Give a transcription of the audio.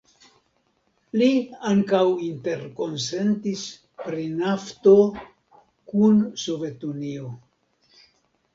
Li ankaŭ interkonsentis pri nafto kun Sovetunio.